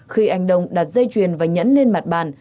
khi anh đông đặt dây chuyền và nhẫn lên mặt bàn